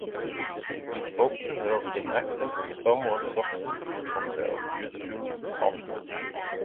He spoke to her in accents somewhat softened from their usual harshness.